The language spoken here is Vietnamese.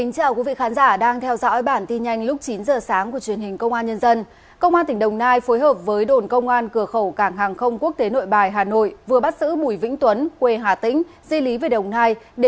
cảm ơn các bạn đã theo dõi